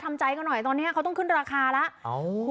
ทำใจกันหน่อยตอนนี้เขาต้องขึ้นราคาแล้ว